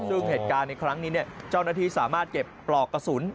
ซึ่งเหตุการณ์ในครั้งนี้เจ้าหน้าที่สามารถเก็บปลอกกระสุน